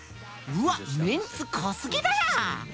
うわっメンツ濃すぎだな！